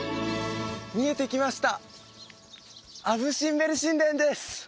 見えてきましたアブ・シンベル神殿です